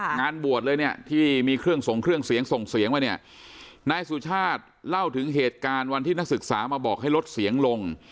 งานบวชเลยเนี่ยที่มีเครื่องส่งเครื่องเสียงส่งเสียงมาเนี่ยนายสุชาติเล่าถึงเหตุการณ์วันที่นักศึกษามาบอกให้ลดเสียงลง